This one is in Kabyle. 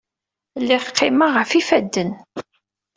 Lliɣ qqimeɣ ɣef yifadden.